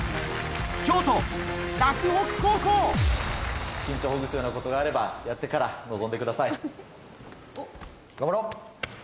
京都洛北高校緊張をほぐすようなことがあればやってから臨んでください。